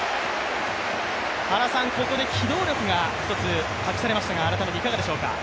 ここで機動力が１つ託されましたが改めていかがでしょうか。